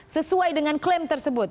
sesuai dengan klaim tersebut